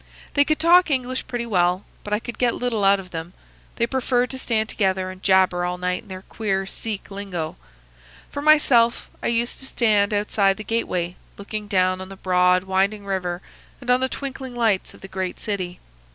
They could talk English pretty well, but I could get little out of them. They preferred to stand together and jabber all night in their queer Sikh lingo. For myself, I used to stand outside the gateway, looking down on the broad, winding river and on the twinkling lights of the great city.